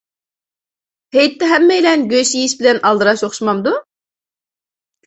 ھېيتتا ھەممەيلەن گۆش يېيىش بىلەن ئالدىراش ئوخشىمامدۇ؟